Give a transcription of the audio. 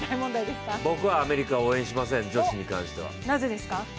僕はアメリカを応援しません、女子に関しては。